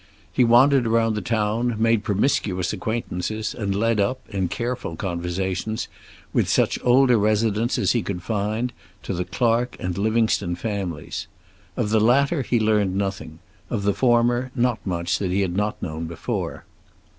He wandered around the town, made promiscuous acquaintances and led up, in careful conversations with such older residents as he could find, to the Clark and Livingstone families. Of the latter he learned nothing; of the former not much that he had not known before.